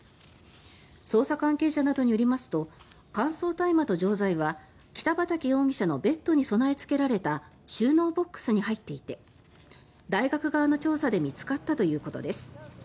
捜査関係者などによりますと乾燥大麻と錠剤は北畠容疑者のベッドに備えつけられた収納ボックスに入っていて大学側の調査で見つかったということです。